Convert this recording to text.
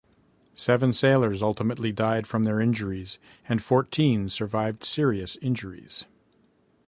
Seven sailors ultimately died from their injuries, and fourteen survived serious injuries.